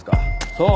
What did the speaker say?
そう。